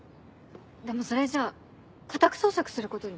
でもそれじゃあ家宅捜索することに。